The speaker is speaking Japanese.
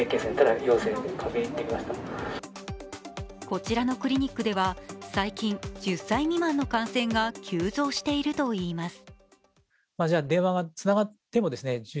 こちらのクリニックでは最近、１０歳未満の感染が急増しているといいます。